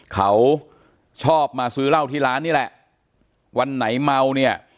เขาชอบมาซื้อเหล้าที่ร้านนี่แหละวันไหนเมาเนี่ย